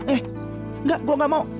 eh enggak gue gak mau